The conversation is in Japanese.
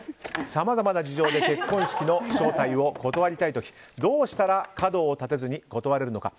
さまざまな事情で結婚式の招待を断りたい時どうしたら角を立てずに断れるのか。